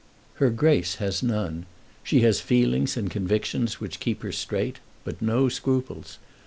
"Her Grace has none. She has feelings and convictions which keep her straight, but no scruples.